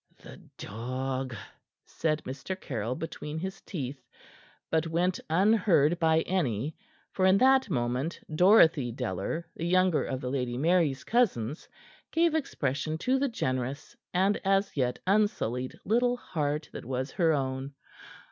"The dog!" said Mr. Caryll, between his teeth, but went unheard by any, for in that moment Dorothy Deller the younger of the Lady Mary's cousins gave expression to the generous and as yet unsullied little heart that was her own.